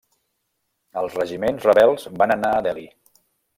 Els regiments rebels van anar a Delhi.